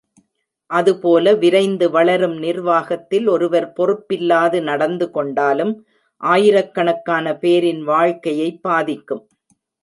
அதுபோல விரைந்து வளரும் நிர்வாகத்தில் ஒருவர் பொறுப் பில்லாது நடந்து கொண்டாலும் ஆயிரக்கணக்கான பேரின் வாழ்க்கையைப் பாதிக்கும்.